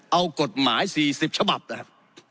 เอากฎหมาย๔๐ฉบับนะครับ